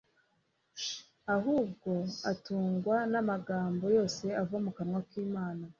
ahubwo atungwa n'amagambo yose ava mu kanwa k'Imana.»